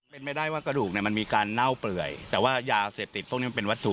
เป็นไม่ได้ว่ากระดูกเนี่ยมันมีการเน่าเปื่อยแต่ว่ายาเสพติดพวกนี้มันเป็นวัตถุ